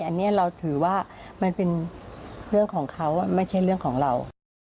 อันนี้เราถือว่ามันเป็นเรื่องของเขาไม่ใช่เรื่องของเรา